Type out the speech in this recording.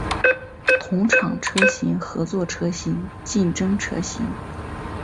同厂车型合作车型竞争车型